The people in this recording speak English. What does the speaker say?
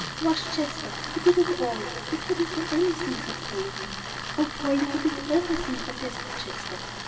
"'Twas Jasper; he did it all I couldn't do anything," said Polly. "Oh, Polly, you did everything," protested Jasper.